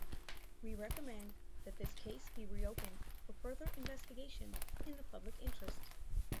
We recommend that this case be re-opened for further investigation in the public interest.